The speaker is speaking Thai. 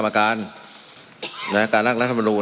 มันมีมาต่อเนื่องมีเหตุการณ์ที่ไม่เคยเกิดขึ้น